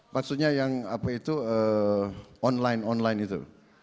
maksudnya yang apa itu online online itu